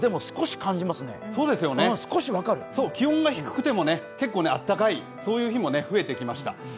少し感じますね、少し分かる気温が低くても結構暖かい、そういう日も増えてきました。